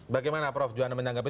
bagaimana prof juwana menyanggapi